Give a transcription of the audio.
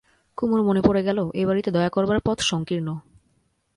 কুমুর মনে পড়ে গেল, এ বাড়িতে দয়া করবার পথ সংকীর্ণ।